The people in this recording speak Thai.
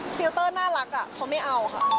ฟิลเตอร์น่ารักเขาไม่เอาค่ะ